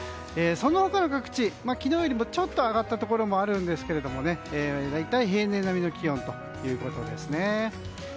その他の各地、昨日よりもちょっと上がったところもあるんですが大体、平年並みの気温ということですね。